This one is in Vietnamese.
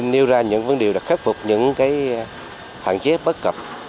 nêu ra những vấn đề khắc phục những hạn chế bất cập